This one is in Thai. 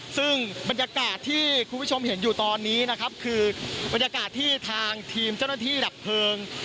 ซึ่งบรรยากาศที่คุณผู้ชมเห็นอยู่ตอนนี้นะครับคือบรรยากาศที่ทางทีมเจ้าหน้าที่ดับเพลิง